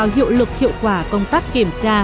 hiệu lực hiệu quả công tác kiểm tra